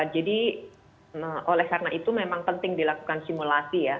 jadi oleh karena itu memang penting dilakukan simulasi ya